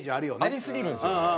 ありすぎるんですよね。